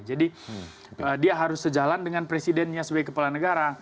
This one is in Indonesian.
jadi dia harus sejalan dengan presidennya sebagai kepala negara